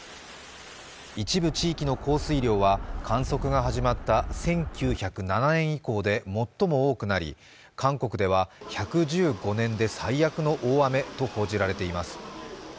一部地域の降水量は観測が始まった１９０７年以降で最も多くなり韓国では１１５年で最悪の大雨と報じられています。